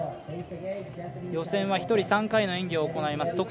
予選は１人３回の演技を行います。